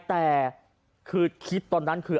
แต่คือคิดตอนนั้นคือ